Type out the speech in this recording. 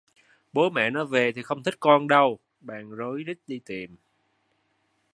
Bố mẹ nó về thì không thích con đâu bèn rối rít đi tìm